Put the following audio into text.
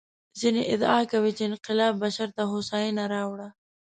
ځینې ادعا کوي چې انقلاب بشر ته هوساینه راوړه.